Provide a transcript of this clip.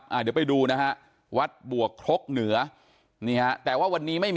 เดี๋ยวไปดูนะฮะวัดบวกโฆห์เหนือนี่ครับ